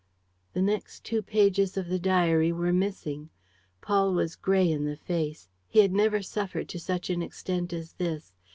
..." The next two pages of the diary were missing. Paul was gray in the face. He had never suffered to such an extent as this.